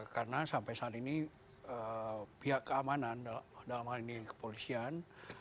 karena sampai saat ini pihak keamanan dalam hal ini kepolisian